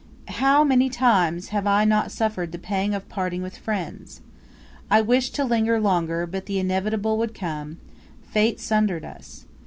How many times have I not suffered the pang of parting with friends! I wished to linger longer, but the inevitable would come Fate sundered us.